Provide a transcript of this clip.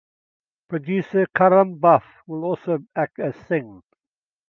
Producer Karam Batth will also act as Singh.